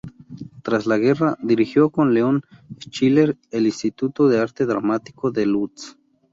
Tras la guerra, dirigió con Leon Schiller el Instituto de Arte Dramático de Lodz.